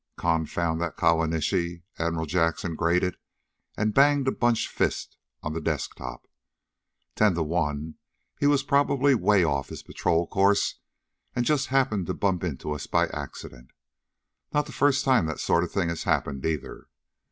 "Confound that Kawanishi!" Admiral Jackson grated, and banged a bunched fist on the desk top. "Ten to one he was probably way off his patrol course, and just happened to bump into us by accident. Not the first time that sort of thing has happened, either.